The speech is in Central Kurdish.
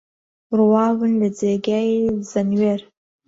ڕواون لە جێگای زەنوێر